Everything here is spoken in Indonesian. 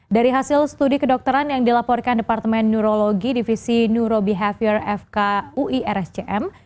dari hasil studi kedokteran yang dilaporkan departemen neurologi divisi neurobehavior fk ui rscm